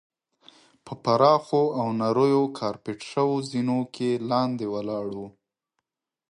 په پراخو او نریو کارپیټ شوو زینو کې لاندې ولاړو.